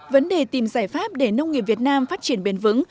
vấn đề tìm giải pháp để nông nghiệp việt nam phát triển bền vững